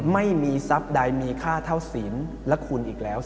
ไม่มีทรัพย์ใดมีค่าเท่าศีลและคุณอีกแล้ว